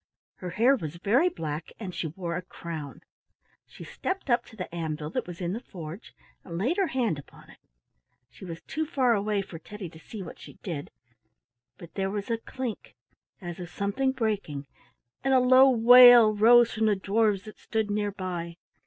Her hair was very black, and she wore a crown. She stepped up to the anvil that was in the forge and laid her hand upon it. She was too far away for Teddy to see what she did, but there was a clink as of something breaking, and a low wail arose from the dwarfs that stood near by.